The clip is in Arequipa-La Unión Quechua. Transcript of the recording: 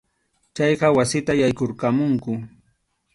Chayqa wasita yaykurqamunku.